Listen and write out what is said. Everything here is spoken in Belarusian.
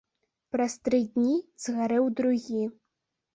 Праз тры дні згарэў другі.